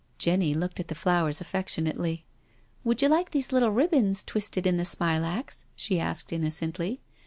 Jenny looked at the flowers affectionately. " Would you like these little ribbons twisted in the smilax?" she asked innocently.